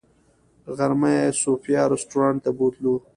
غرمه یې صوفیا رسټورانټ ته بوتلو.